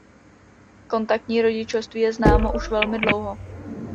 Kontaktní rodičovství je známo už velmi dlouho.